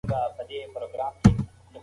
پاڼه په خپله کوټه کې غمجنېده.